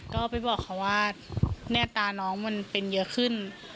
ก็ไปบอกเขาว่าแน่ตาน้องมันเป็นเยอะขึ้น